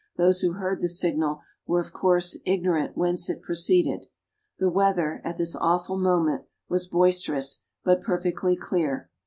those who heard the signal were, of course, ignorant whence it proceeded. The weather, at this awful moment, was boisterous, but perfectly clear.